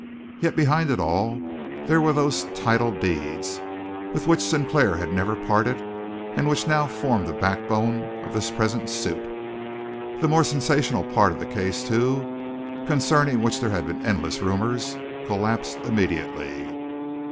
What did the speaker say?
Yet behind it all there were those title deeds, with which Sinclair had never parted, and which now formed the backbone of this present suit. The more sensational part of the case, too, concerning which there had been endless rumors, collapsed immediately.